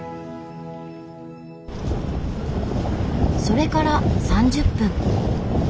それから３０分。